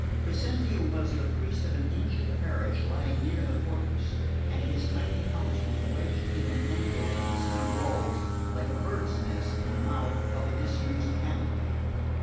Crescenti was the priest of an ancient parish lying near the fortress; and his tiny house was wedged in an angle of the city walls, like a bird's nest in the mouth of a disused canon.